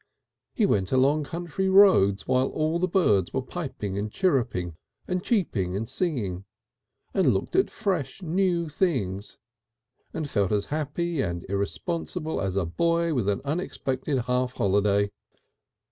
He went along country roads while all the birds were piping and chirruping and cheeping and singing, and looked at fresh new things, and felt as happy and irresponsible as a boy with an unexpected half holiday.